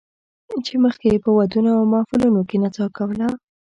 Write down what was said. چې مخکې یې په ودونو او محفلونو کې نڅا کوله